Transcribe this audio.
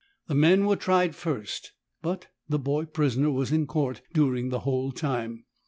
The men were tried first, but the boy prisoner was in court during the whole time.